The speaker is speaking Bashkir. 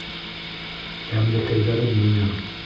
Тәмлекәйҙәрем минең